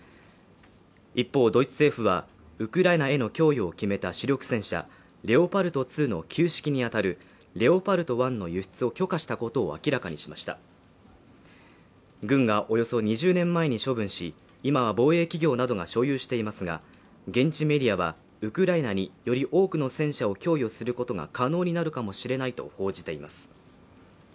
一方ドイツ政府はウクライナへの供与を決めた主力戦車レオパルト２の旧式にあたるレオパルト１の輸出を許可したことを明らかにしました軍がおよそ２０年前に処分し今は防衛企業などが所有していますが現地メディアはウクライナにより多くの戦車を供与することが可能になるかもしれないと報じています